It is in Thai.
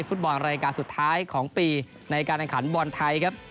ฟุตบอลรายการสุดท้ายของปีในการแข่งขันบอลไทยครับ